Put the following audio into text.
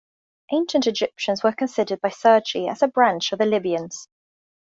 Ancient Egyptians were considered by Sergi as a branch of the Libyans.